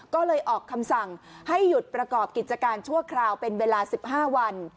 ก็เลยออกคำสั่งให้หยุดประกอบกิจการชั่วคราวเป็นเวลา๑๕วัน